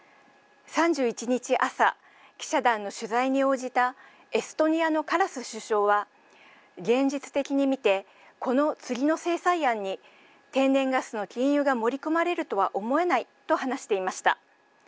３１日、朝記者団の取材に応じたエストニアのカラス首相は現実的に見て、この次の制裁案に天然ガスの禁輸が盛り込まれるとは思えないと話していました。